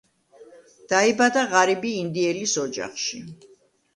დაიბადა ღარიბი ინდიელის ოჯახში.